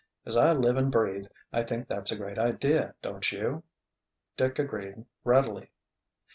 As I live and breathe, I think that's a great idea, don't you?" Dick agreed readily.